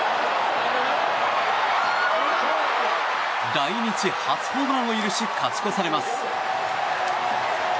来日初ホームランを許し勝ち越されます。